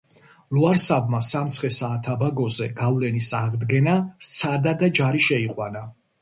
ლუარსაბმა სამცხე-სააᲗაბაგოზე გავლენის ადგენს სცადა და ჯარი Შეიყვანა.